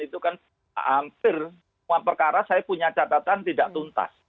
itu kan hampir semua perkara saya punya catatan tidak tuntas